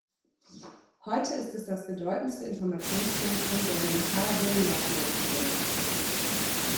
Heute ist es das bedeutendste Informationszentrum der Mojave National Preserve.